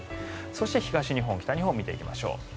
そして東日本、北日本を見ていきましょう。